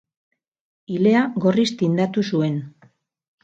Ilea gorriz tindatu zuen.